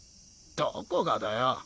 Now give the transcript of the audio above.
どこがだよ？